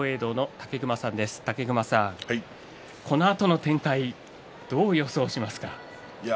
武隈さん、このあとの展開どう予想しますか。